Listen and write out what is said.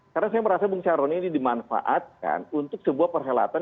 karena saya merasa bung syahroni ini dimanfaatkan untuk sebuah perhelatan